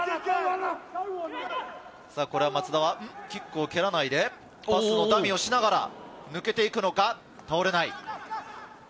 松田はキックを蹴らないでパスのダミーをしながら抜けていくのか、倒れない。